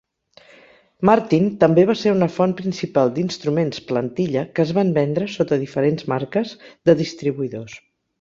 Martin també va ser una font principal d'instruments "plantilla" que es van vendre sota diferents marques de distribuïdors.